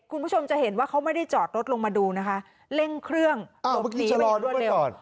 คุณผู้ชมจะเห็นว่าเขาไม่ได้จอดรถลงมาดูนะคะเร่งเครื่องอ้าวเมื่อกี้จะรอด้วยไหม